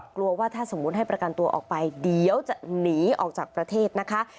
กลัวว่าถ้าสมมุติให้ประกันตัวออกไปเดี๋ยวจะหนีออกจากประเทศนะคะ